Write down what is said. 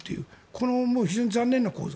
この非常に残念な構図。